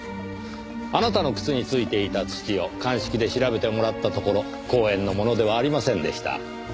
あなたの靴についていた土を鑑識で調べてもらったところ公園のものではありませんでした。